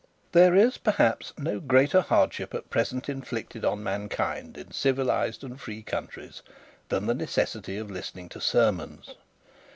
There is, perhaps, no greater hardship at present inflicted on mankind in civilised and free countries than the necessity of listening to sermons.